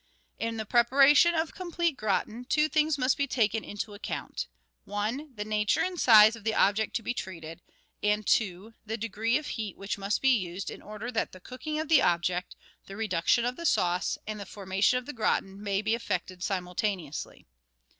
In the preparation of complete gratin, two things must be taken into account :— (i) The nature and size of the object to be treated, and (2) the degree of heat which must be used in order that the coolcing of the object, the reduction of the sauce, and the formation of the gratin may be effected simultaneously.